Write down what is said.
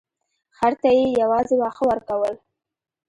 خر ته یې یوازې واښه ورکول.